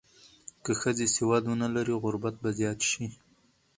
که ښځې سواد ونه لري، غربت به زیات شي.